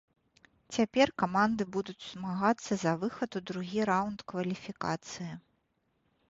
Цяпер каманды будуць змагацца за выхад у другі раунд кваліфікацыі.